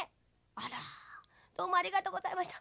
あらどうもありがとうございました。